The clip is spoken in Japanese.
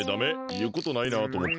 いうことないなあとおもって。